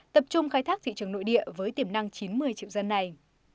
tập trung khai thác thị trường nội địa với tiềm năng chín mươi triệu dân này